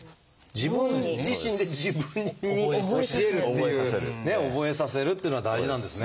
自分自身で自分に教えるっていうね覚えさせるっていうのが大事なんですね。